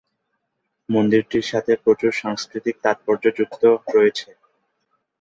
মন্দিরটির সাথে প্রচুর সাংস্কৃতিক তাৎপর্য যুক্ত রয়েছে।